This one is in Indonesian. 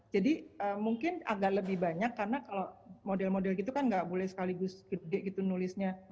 jadi mungkin agak lebih banyak karena kalau model model gitu kan gak boleh sekaligus gede gitu nulisnya